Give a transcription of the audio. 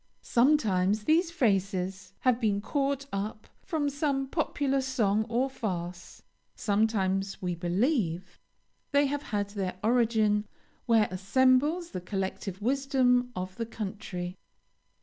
Sometimes these phrases have been caught up from some popular song or farce; sometimes, we believe, they have had their origin "where assembles the collective wisdom of the country."